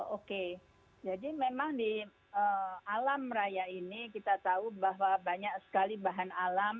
oke jadi memang di alam raya ini kita tahu bahwa banyak sekali bahan alam